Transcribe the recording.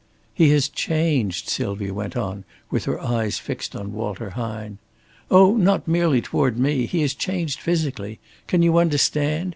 "He has changed," Sylvia went on, with her eyes fixed on Walter Hine. "Oh, not merely toward me. He has changed physically. Can you understand?